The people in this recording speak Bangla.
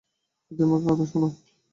যদি আমার কথা শোনো।